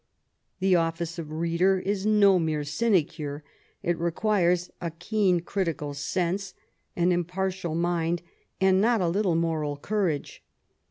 The office of "reader" is no mere sinecure ; it requires a keen critical sense, an impartial mind, and not a little moral courage.